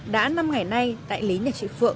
đã năm ngày nay tại lý nhà trị phượng